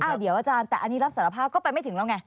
เดี๋ยวอาจารย์แต่อันนี้รับสารภาพก็ไปไม่ถึงแล้วไง